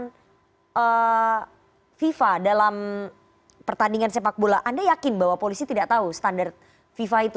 tapi kalau kita lihat fifa dalam pertandingan sepak bola anda yakin bahwa polisi tidak tahu standar fifa itu